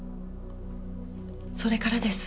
それからです